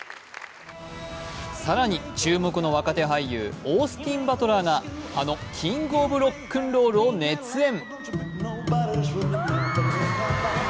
更に注目の若手俳優、オースティン・バトラーがあのキング・オブ・ロックンロールを熱演。